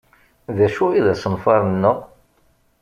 D acu i d asenfaṛ-nneɣ?